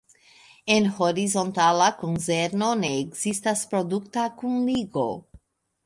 En horizontala konzerno ne ekzistas produkta kunligo.